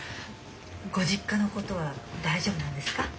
ご実家のことは大丈夫なんですか？